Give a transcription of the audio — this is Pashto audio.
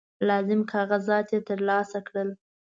لازم کاغذات ترلاسه کړل.